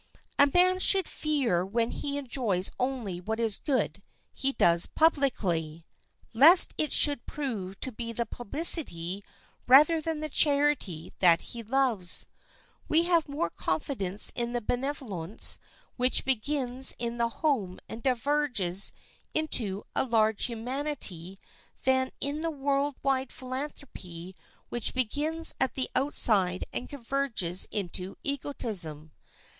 A man should fear when he enjoys only what good he does publicly, lest it should prove to be the publicity rather than the charity that he loves. We have more confidence in that benevolence which begins in the home and diverges into a large humanity than in the world wide philanthropy which begins at the outside and converges into egotism.